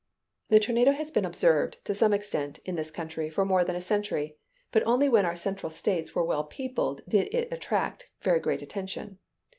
The tornado has been observed, to some extent, in this country for more than a century: but only when our central states were well peopled did it attract very great attention.